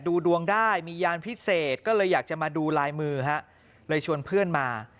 ดูดวงได้มียานพิเศษก็เลยอยากจะมาดูลายมือฮะเลยชวนเพื่อนมา